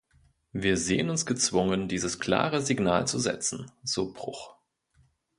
Wir sehen uns gezwungen, dieses klare Signal zu setzen“", so Bruch.